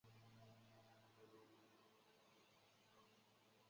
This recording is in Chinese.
十三岁时阿肯色州的斯科特堡读高小学。